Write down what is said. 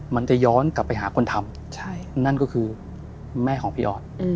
มันจะย้อนกลับไปหาคนทำนั่นก็คือแม่ของพี่ออส